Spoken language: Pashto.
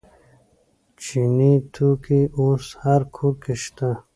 چیني توکي اوس هر کور کې شته.